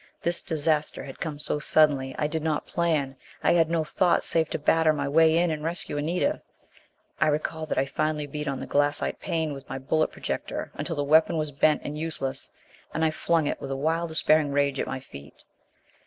This disaster had come so suddenly. I did not plan: I had no thought save to batter my way in and rescue Anita. I recall that I finally beat on the glassite pane with my bullet projector until the weapon was bent and useless. And I flung it with a wild despairing rage at my feet.